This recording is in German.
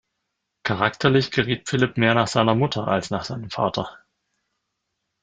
Charakterlich geriet Philipp mehr nach seiner Mutter als nach seinem Vater.